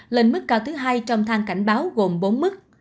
lên mức cao thứ hai trong thang cảnh báo gồm bốn mức